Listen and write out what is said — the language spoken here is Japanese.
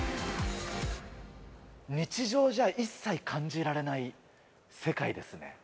日常じゃ一切感じられない世界ですね。